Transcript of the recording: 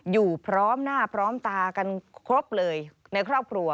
อยู่พร้อมหน้าพร้อมตากันครบเลยในครอบครัว